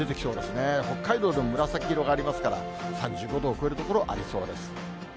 北海道でも北海道でも紫色がありますから、３５度を超える所ありそうです。